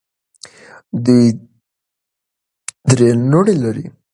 دوی درې لوڼې لري.